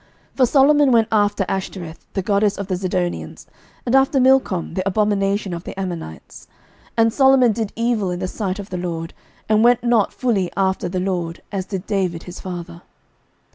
11:011:005 For Solomon went after Ashtoreth the goddess of the Zidonians, and after Milcom the abomination of the Ammonites. 11:011:006 And Solomon did evil in the sight of the LORD, and went not fully after the LORD, as did David his father.